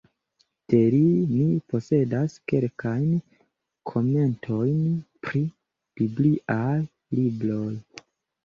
De li ni posedas kelkajn komentojn pri bibliaj libroj.